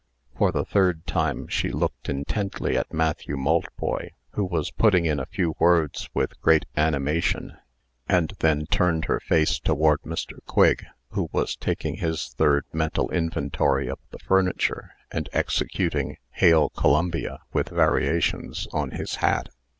For the third time she looked intently at Matthew Maltboy, who was putting in a few words with great animation; and then turned her face toward Mr. Quigg, who was taking his third mental inventory of the furniture, and executing "Hail Columbia," with variations, on his hat.